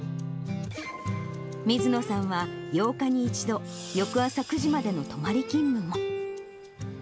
水野さんは、８日に１度、翌朝９時までの泊まり勤務も。